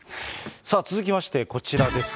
さあ、続きまして、こちらです。